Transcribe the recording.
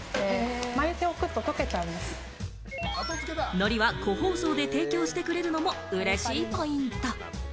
のりは個包装で提供してくれるのも、うれしいポイント。